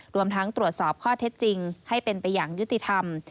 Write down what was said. รวมทั้งตรวจสอบข้อเท็จจริงให้เป็นไปอย่างยุติธรรม